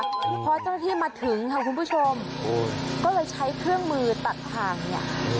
พอเจ้าหน้าที่มาถึงค่ะคุณผู้ชมก็เลยใช้เครื่องมือตัดทางเนี่ย